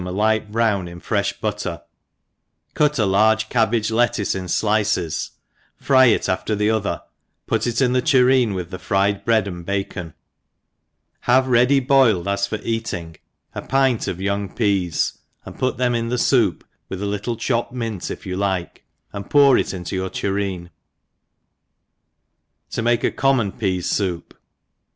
a light brown in fre(h butter, cuta large cabbage lettuce in fliges, fry it after the^ other, put it in the tu reen with the fried bread and bacon : have ready boiled as for eating a pint of young peas, and put them in the foup, with a littfe choppe4 mint if you like it, and pour it into your tur^pp. .' ^Q piaie ^Common Peas Soup.